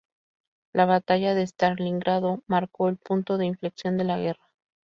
La batalla de Stalingrado marcó el punto de inflexión de la guerra.